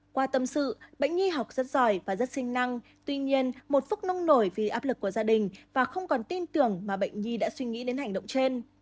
qua tâm sự bệnh nhi học rất giỏi và rất sinh năng tuy nhiên một phút nông nổi vì áp lực của gia đình và không còn tin tưởng mà bệnh nhi đã suy nghĩ đến hành động trên